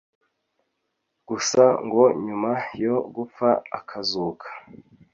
gusa ngo nyuma yo gupfa akazuka